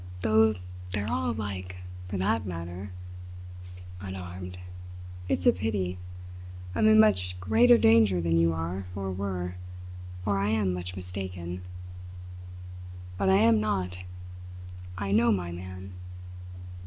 Though they're all alike, for that matter. Unarmed! It's a pity. I am in much greater danger than you are or were or I am much mistaken. But I am not I know my man!"